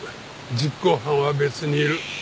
実行犯は別にいる。